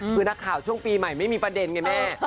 คือนักข่าวช่วงปีใหม่ไม่มีประเด็นไงแม่